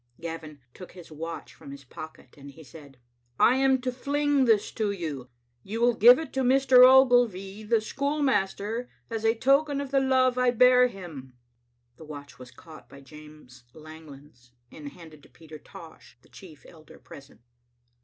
Gavin took his watch from his pocket, and he said —" I am to fling this to you. You will give it to Mr. Ogilvy, the schoolmaster, as a token of the love I bear him." The watch was caught by James Langlands, and handed to Peter Tosh, the chief elder present.